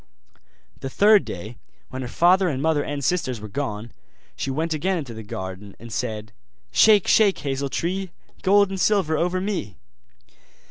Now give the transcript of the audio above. The third day, when her father and mother and sisters were gone, she went again into the garden, and said: 'Shake, shake, hazel tree, Gold and silver over me!